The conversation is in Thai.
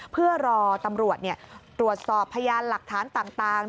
เพื่อรอตำรวจตรวจสอบพยานหลักฐานต่าง